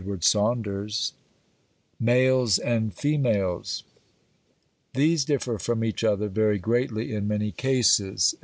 MALES AND FEMALES These differ from each other very greatly in many cases.